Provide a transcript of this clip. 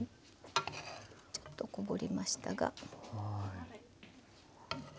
ちょっとこぼれましたが。